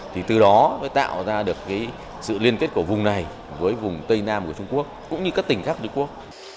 thì từ đó mới tạo ra được sự liên kết của vùng này với vùng tây nam của trung quốc cũng như các tỉnh khác trung quốc